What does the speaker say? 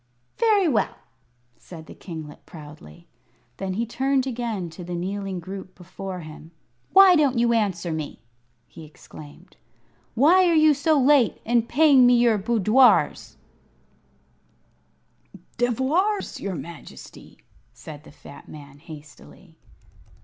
"Very well!" said the kinglet, proudly. Then he turned again to the kneeling group before him. "Why don't you answer me?" he exclaimed. "Why are you so late in paying me your boudoirs?" [Illustration: THE KINGLET AND NEBBIE] "Devoirs, your Majesty!" said the fat man, hastily.